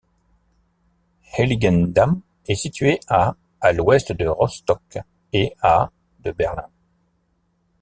Heiligendamm est situé à à l’ouest de Rostock et à de Berlin.